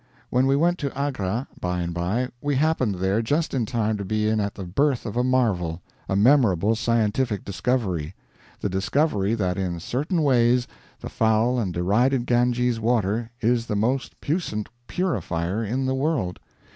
When we went to Agra, by and by, we happened there just in time to be in at the birth of a marvel a memorable scientific discovery the discovery that in certain ways the foul and derided Ganges water is the most puissant purifier in the world!